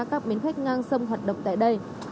các bến khách ngang sông hoạt động tại đây